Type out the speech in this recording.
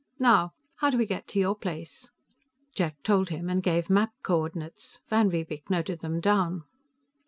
Now, how do we get to your place?" Jack told him, and gave map coordinates. Van Riebeek noted them down.